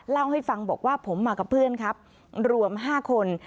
เล่าให้ฟังบอกว่าผมมากับเพื่อนครับรวม๕คน